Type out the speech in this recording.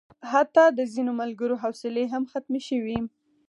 حتی د ځینو ملګرو حوصلې هم ختمې شوې.